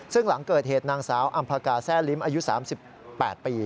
ซึ่งหลังเกิดเหตุนางสาวอำภากาแร่ลิ้มอายุ๓๘ปี